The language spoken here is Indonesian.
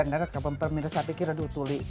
nggak kebam bam mirsa pikir aduh tuli